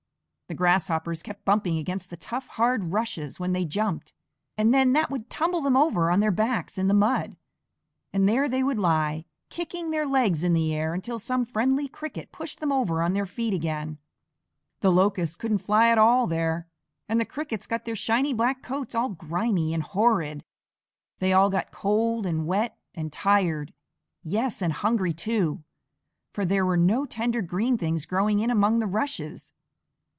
The Grasshoppers kept bumping against the tough, hard rushes when they jumped, and then that would tumble them over on their backs in the mud, and there they would lie, kicking their legs in the air, until some friendly Cricket pushed them over on their feet again. The Locusts couldn't fly at all there, and the Crickets got their shiny black coats all grimy and horrid. They all got cold and wet and tired yes, and hungry too, for there were no tender green things growing in among the rushes.